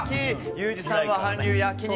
ユージさんは韓流焼肉